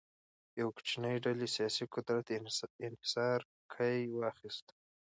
یوه کوچنۍ ډلې سیاسي قدرت انحصار کې واخیست.